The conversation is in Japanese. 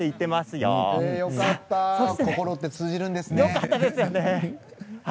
よかった心って通じるんですね。